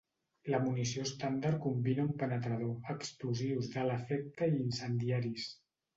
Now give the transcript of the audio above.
La munició estàndard combina un penetrador, explosius d'alt efecte i incendiaris.